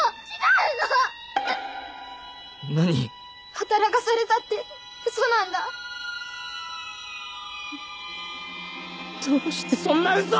働かされたって嘘なんだどうしてそんな嘘を！